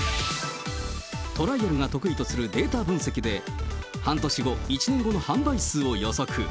トライアルが得意とするデータ分析で、半年後、１年後の販売数を予測。